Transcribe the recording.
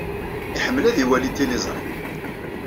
Iḥemmel ad iwali tiliẓri.